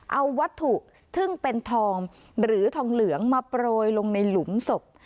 เอาวัตถุซึ่งเป็นทองหรือทองเหลืองมาโปรยลงในหลุมศพ